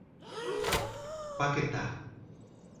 Paquetá